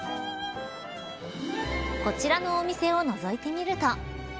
こちらのお店をのぞいてみると。